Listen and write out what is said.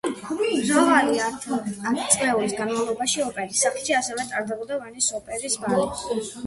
მრავალი ათწლეულის განმავლობაში ოპერის სახლში ასევე ტარდებოდა ვენის ოპერის ბალი.